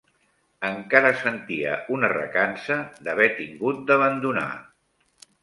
Encara sentia una recança d'haver tingut d'abandonar